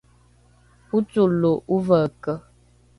ocolo ove’eke